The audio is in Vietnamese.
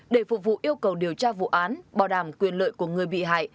để phục vụ yêu cầu điều tra vụ án bảo đảm quyền lợi của người bị hại